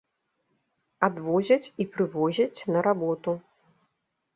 Адвозяць і прывозяць на работу.